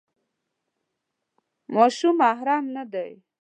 ماشوم محرم نه دی.